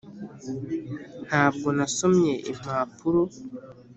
] ntabwo nasomye impapuro,.